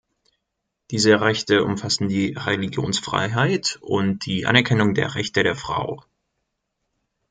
Diese Rechte umfassen die Religionsfreiheit und die Anerkennung der Rechte der Frau.